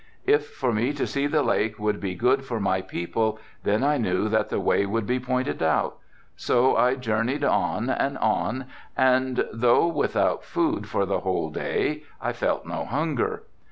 If for me to see the lake would be good for my people then I knew that the way would be pointed out, so I journied on and on and though without food for the whole day, I felt no hunger.